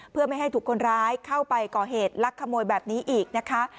เพื่อไม่ให้ถูกคนร้ายเข้าไปก่อเหตุลักขโมยแบบนี้อีกนะคะ